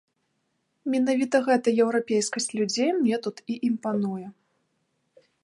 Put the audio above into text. Менавіта гэта еўрапейскасць людзей мне тут і імпануе.